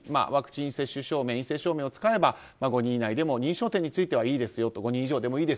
ワクチン接種証明陰性証明を使えば４人以上でも認証店についてはいいですよと。